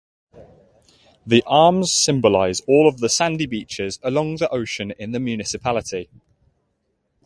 The arms symbolize all of the sandy beaches along the ocean in the municipality.